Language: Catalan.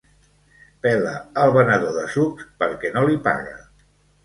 Pela el venedor de sucs perquè no li paga.